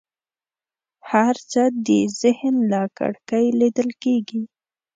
هر څه د ذهن له کړکۍ لیدل کېږي.